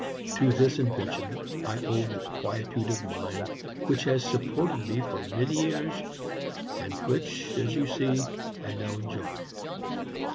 To this invention I owe the quietude of mind which has supported me for many years, and which, as you see, I now enjoy.